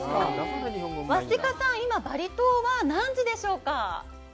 ワスティカさん、今、バリ島は何時でしょうか。